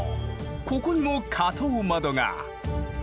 ここにも花頭窓が。